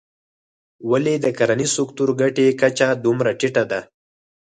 ولې د کرنیز سکتور ګټې کچه دومره ټیټه ده.